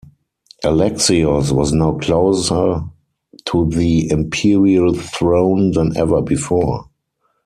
Alexios was now closer to the imperial throne than ever before.